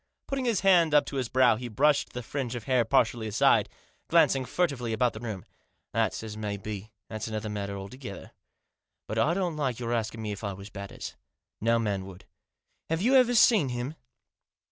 Putting his hand up to his brow he brushed the fringe of hair partially aside, glancing furtively about the room. " That's as may be ; that's another matter alto gether. But I don't like your asking me if I was Batters. No man would. Have you ever seen him?"